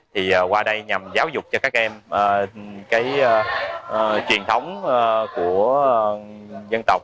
thì qua đây nhằm giáo dục cho các em cái truyền thống của dân tộc